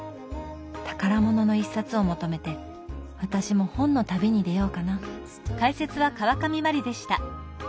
宝物の１冊を求めて私も本の旅に出ようかな。